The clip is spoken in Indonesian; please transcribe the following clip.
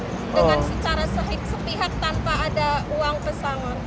dengan secara sepihak tanpa ada uang pesangon